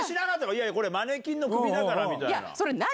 いやいや、これ、マネキンの首だからみたいな。